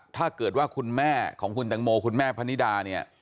ถ้าเกิดว่าคุณแม่ของคุณตังโมคุณแม่พนิดาเนี่ย